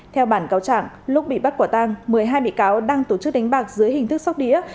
theo bản cáo chẳng lúc bị bắt quả tang một mươi hai bị cáo đang tổ chức đánh bạc dưới hình thức sóc đĩa